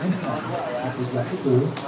sepenuhnya satu jam itu